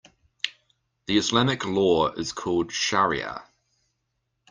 The Islamic law is called shariah.